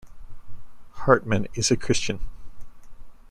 Hartman is a Christian.